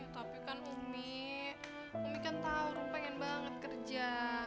tapi kan umi umi kan tahu pengen banget kerja